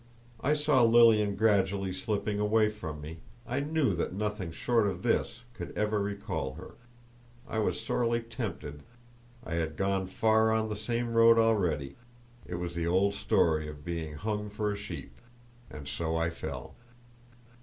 I saw Lilian gradually slipping away from me, I knew that nothing short of this could ever recall her, I was sorely tempted, I had gone far on the same road already; it was the old story of being hung for a sheep. And so I fell.